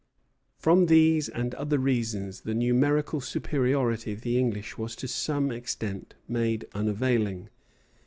From these and other reasons, the numerical superiority of the English was to some extent made unavailing.